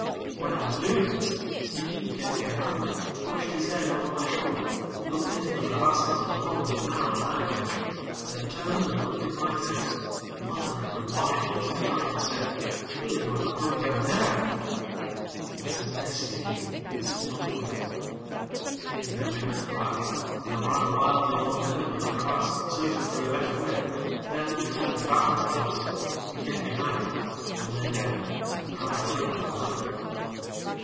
When I was doing this, Stickeen came up behind me, pushed his head over my shoulder, looked into the crevasses and along the narrow knife edge, then turned and looked in my face, muttering and whining as if trying to say, ŌĆ£Surely you are not going down there. ŌĆØ I said, ŌĆ£Yes, Stickeen, this is the only way. ŌĆØ He then began to cry and ran wildly along the rim of the crevasse, searching for a better way, then, returning baffled, of course, he came behind me and lay down and cried louder and louder.